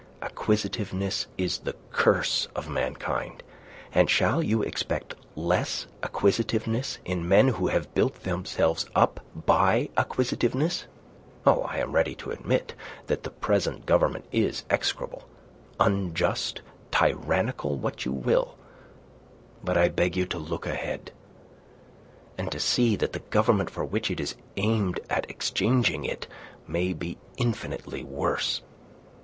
Acquisitiveness is the curse of mankind. And shall you expect less acquisitiveness in men who have built themselves up by acquisitiveness? Oh, I am ready to admit that the present government is execrable, unjust, tyrannical what you will; but I beg you to look ahead, and to see that the government for which it is aimed at exchanging it may be infinitely worse."